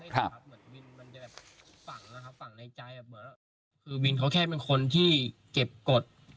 คือวินเขาแค่เป็นคนที่เก็บกฎ